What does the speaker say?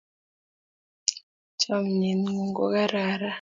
Chomyet ng'uung ko kararan